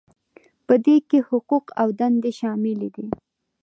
په دې کې حقوق او دندې شاملې دي.